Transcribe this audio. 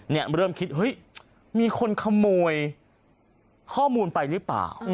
เริ่มคิดเฮ้ยมีคนขโมยข้อมูลไปหรือเปล่า